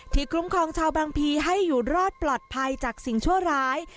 คุ้มครองชาวบางพีให้อยู่รอดปลอดภัยจากสิ่งชั่วร้าย